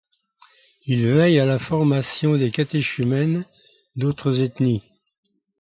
Il veille à la formation des catéchumènes d'autres ethnies.